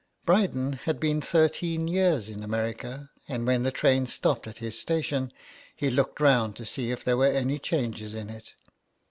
Bryden had been thirteen years in America, and when the train stopped at his station, he looked round to see if there were any changes in it.